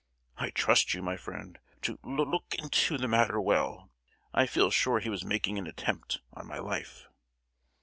I trust you, my friend, to lo—ok into the matter well. I feel sure he was making an attempt on my life!"